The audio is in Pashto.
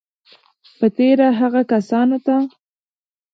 په تېره هغو کسانو ته